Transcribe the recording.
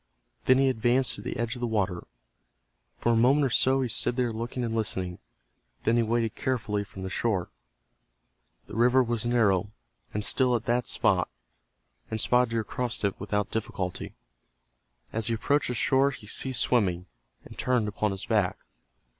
Then he advanced to the edge of the water. For a moment or so he stood there looking and listening. Then he waded carefully from the shore. The river was narrow and still at that spot, and Spotted Deer crossed it without difficulty. As he approached the shore he ceased swimming, and turned upon his back.